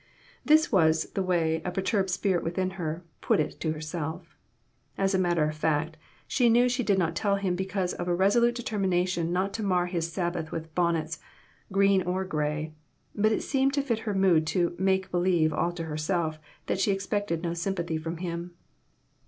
This was the way a perturbed spirit within her put it to herself. As a matter of fact, she knew she did not tell him because of a resolute deter mination not to mar his Sabbath with bonnets, green or gray ; but it seemed to fit her mood to "make believe" all to herself that she expected no sympathy from him.